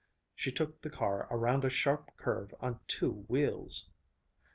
She took the car around a sharp curve on two wheels.